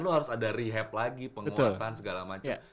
lu harus ada rehab lagi penguatan segala macam